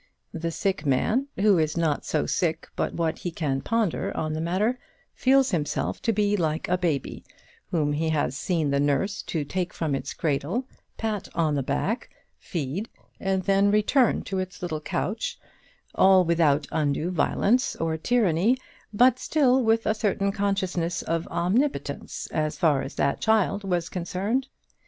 The sick man, who is not so sick but what he can ponder on the matter, feels himself to be like a baby, whom he has seen the nurse to take from its cradle, pat on the back, feed, and then return to its little couch, all without undue violence or tyranny, but still with a certain consciousness of omnipotence as far as that child was concerned.